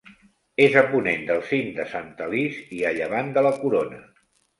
És a ponent del cim de Sant Alís i a llevant de la Corona.